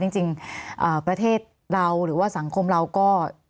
จริงประเทศเราหรือว่าสังคมเราก็